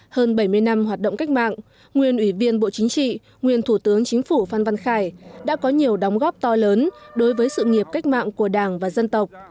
hơn bảy mươi năm hoạt động cách mạng nguyên ủy viên bộ chính trị nguyên thủ tướng chính phủ phan văn khải đã có nhiều đóng góp to lớn đối với sự nghiệp cách mạng của đảng và dân tộc